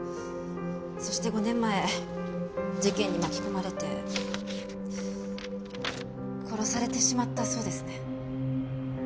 そして５年前事件に巻き込まれて殺されてしまったそうですね。